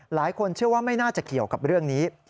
หลายคนเชื่อว่าไม่น่าจะเขียวกับเรื่องนี้